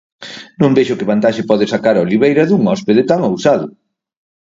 Non vexo que vantaxe pode sacar a oliveira dun hóspede tan ousado.